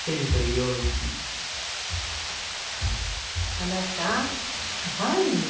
・あなた３時よ。